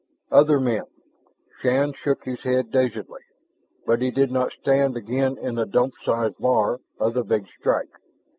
Other men.... Shann shook his head dazedly. But he did not stand again in the Dump size bar of the Big Strike.